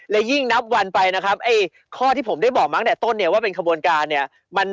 และยิ่งนับวันไปนะครับไอ้ข้อที่ผมได้บอกมาตั้งแต่ต้นเนี่ยว่าเป็นขบวนการเนี่ย